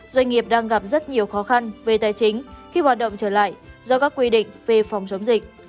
doanh nghiệp đang gặp rất nhiều khó khăn về tài chính khi hoạt động trở lại do các quy định về phòng chống dịch